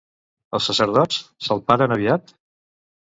Els sacerdots salparen aviat?